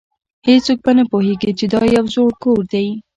هیڅوک به نه پوهیږي چې دا یو زوړ کور دی